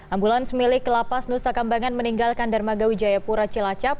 ambulan semilik lapas nusa kambangan meninggalkan dermaga wijayapura cilacap